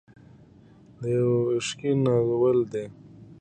دا يو عشقي ناول دی.